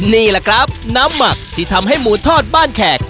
นี่แหละครับน้ำหมักที่ทำให้หมูทอดบ้านแขก